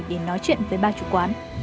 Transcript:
để nói chuyện với bà chủ quán